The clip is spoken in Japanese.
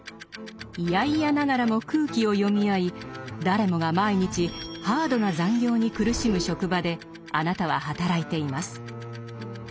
嫌々ながらも「空気」を読み合い誰もが毎日ハードな残業に苦しむ職場であなたは働いています。